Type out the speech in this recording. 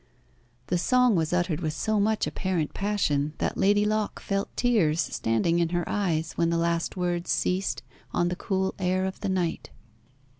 The song was uttered with so much apparent passion that Lady Locke felt tears standing in her eyes when the last words ceased on the cool air of the night.